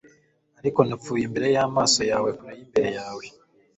Ariko napfuye imbere y'amaso yawe kure y'imbere yawe